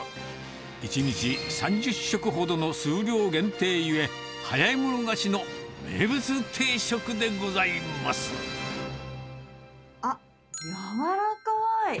１日３０食ほどの数量限定ゆえ、早い者勝ちの名物定食でございまあっ、柔らかい！